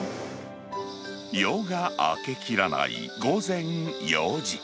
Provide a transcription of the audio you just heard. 夜が明けきらない午前４時。